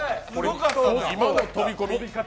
今の飛び込み方。